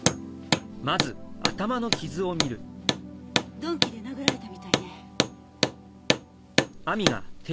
鈍器で殴られたみたいね。